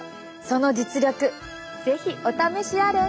その実力是非お試しあれ。